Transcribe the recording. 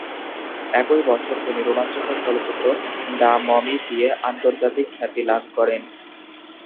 একই বছর তিনি রোমাঞ্চকর চলচ্চিত্র "দ্য মমি" দিয়ে আন্তর্জাতিক খ্যাতি লাভ করেন।